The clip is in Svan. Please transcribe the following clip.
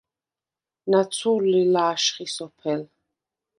ნაცუ̄ლ ლი ლა̄შხი სოფელ.